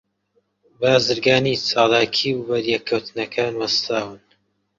بازرگانی، چالاکی، و بەریەک کەوتنەکان وەستاون